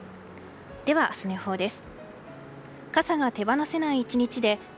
では、明日の予報です。